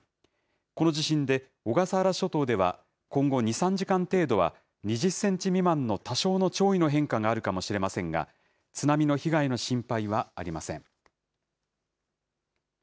この地震で小笠原諸島では、今後２、３時間程度は、２０センチ未満の多少の潮位の変化があるかもしれませんが、津波の被害の心配はありません。